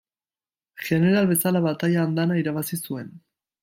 Jeneral bezala bataila andana irabazi zuen.